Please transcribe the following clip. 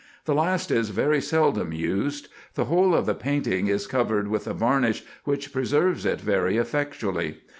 The last is very seldom used. The whole of the painting is covered with a varnish, which preserves it very effectually.